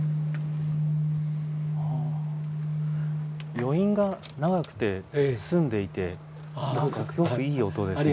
余韻が長くて澄んでいて何かすごくいい音ですね。